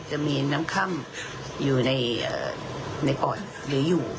จะมีน้ำค่ำอยู่ในปอดหรืออยู่